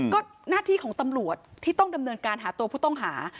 ก็หน้าที่ของตำรวจที่ต้องดำเนินการหาตัวผู้ต้องหา